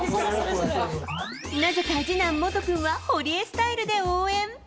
なぜか次男、モトくんは堀江スタイルで応援。